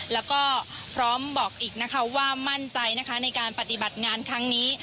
แล้วก็พร้อมบอกอีกนะคะว่ามั่นใจนะคะในการปฏิบัติงานครั้งนี้